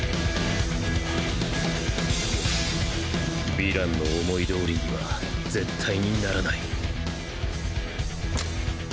ヴィランの思い通りには絶対にならない